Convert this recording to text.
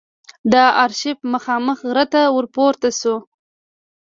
د آرشیف مخامخ غره ته ور پورته شوو.